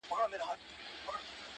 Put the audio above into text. نو نن،